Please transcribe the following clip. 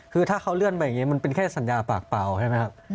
คือถ้าเขาเลื่อนไปอย่างนี้มันเป็นแค่สัญญาปากเปล่าใช่ไหมครับ